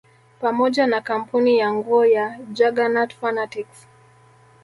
Pamoja na kampuni ya nguo ya Juggernaut fanatics